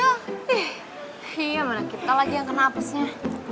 ih mana kita lagi yang kena abisnya